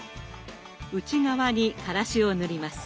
内側にからしを塗ります。